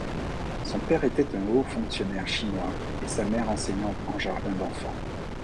Son père était un haut fonctionnaire chinois et sa mère enseignante en jardin d'enfants.